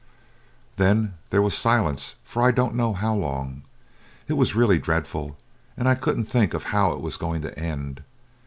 "Then there was silence for I don't know how long; it was really dreadful, and I couldn't think how it was going to end.